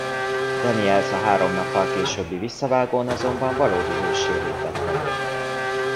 Daniels a három nappal későbbi visszavágón azonban valódi hőssé lépett elő.